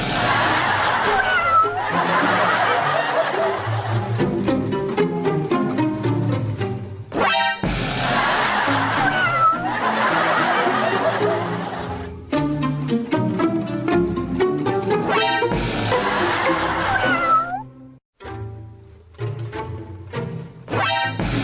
ศูลจ์ถามวิทยาลัยอิสุกรมทรงวิทยาลัย